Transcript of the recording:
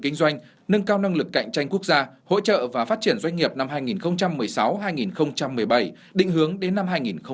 kinh doanh nâng cao năng lực cạnh tranh quốc gia hỗ trợ và phát triển doanh nghiệp năm hai nghìn một mươi sáu hai nghìn một mươi bảy định hướng đến năm hai nghìn hai mươi